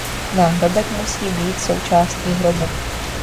Náhrobek musí být součástí hrobu.